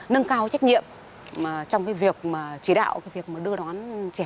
nâng cao trách nhiệm trong việc chỉ đạo đưa đón trẻ